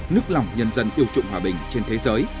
nức lỏng nhân dân yêu trụng hòa bình trên thế giới